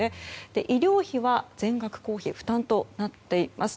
医療費は全額公費負担となっています。